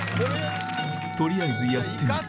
取りあえずやってみる